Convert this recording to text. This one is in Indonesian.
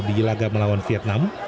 di ilaga melawan vietnam